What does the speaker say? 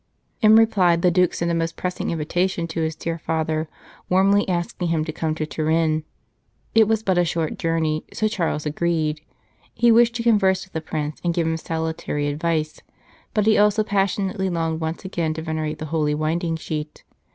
In reply, the Duke sent a most pressing invitation to his dear Father, warmly asking him to come to Turin. It was but a short journey, so Charles agreed. He wished to converse with the Prince and give him salutary advice, but he also passionately longed once again to venerate the Holy Winding Sheet.